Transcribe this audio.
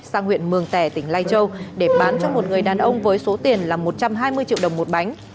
sang huyện mường tẻ tỉnh lai châu để bán cho một người đàn ông với số tiền là một trăm hai mươi triệu đồng một bánh